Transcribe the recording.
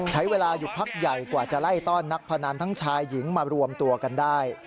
ใช้เวลาอยู่พักใหญ่กว่าจะไล่ต้อนนักพนันทั้งชายหญิงมารวมตัวกันได้